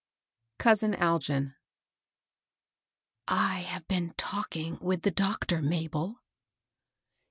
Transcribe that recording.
COUSIN ALGIK. HAVE been talking with the doctor, Ma bel."